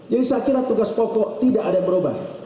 jadi saya kira tugas pokok tidak ada yang berubah